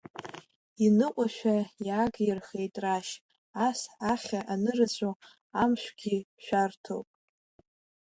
Иныҟәашәа иаагирхеит Рашь, ас ахьа анырацәоу, амшәгьы шәарҭоуп.